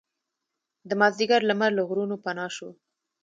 د مازدیګر لمر له غرونو پناه شو.